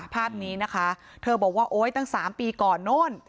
ภาพนี้นะคะเธอบอกว่าโอ๊ยตั้ง๓ปีก่อนโน่น